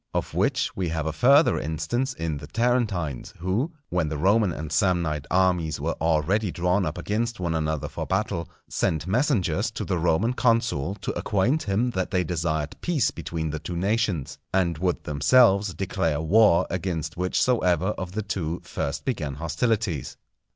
Of which we have a further instance in the Tarentines, who, when the Roman and Samnite armies were already drawn up against one another for battle, sent messengers to the Roman consul to acquaint him that they desired peace between the two nations, and would themselves declare war against whichsoever of the two first began hostilities.